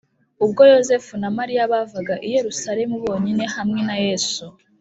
Ubwo Yosefu na Mariya bavaga i Yerusalemu bonyine hamwe na Yesu,